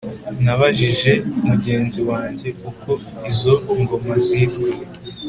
nabajije mugenzi wange uko izo ngoma zitwa.